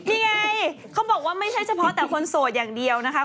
นี่ไงเขาบอกว่าไม่ใช่เฉพาะแต่คนโสดอย่างเดียวนะคะ